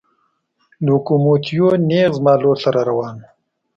لوکوموتیو نېغ زما لور ته را روان و.